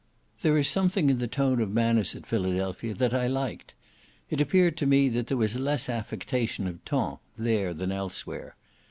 There is something in the tone of manners at Philadelphia that I liked; it appeared to me that there was less affectation of ton there than elsewhere.